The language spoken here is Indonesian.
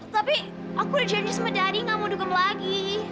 tapi aku udah janji sama daddy gak mau dugem lagi